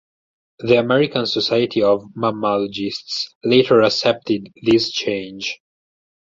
The American Society of Mammalogists later accepted this change.